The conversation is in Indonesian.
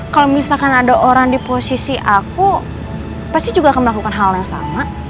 kalau misalkan ada orang di posisi aku pasti juga akan melakukan hal yang sama